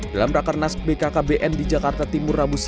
dalam rakarnas bkkbn di jakarta timur rabu selatan